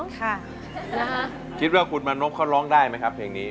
ค่ะนะฮะคิดว่าคุณมณพเขาร้องได้ไหมครับเพลงนี้